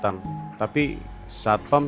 sayang banget kalau sampai gue lewatin